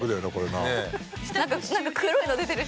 なんか黒いの出てる！